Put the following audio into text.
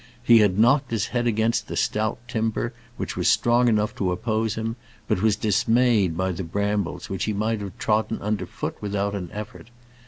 He had knocked his head against the stout timber, which was strong enough to oppose him, but was dismayed by the brambles which he might have trodden under foot without an effort.